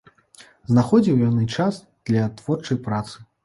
Знаходзіў ён і час для творчай працы.